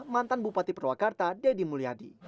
mantan bupati purwakarta deddy mulyadi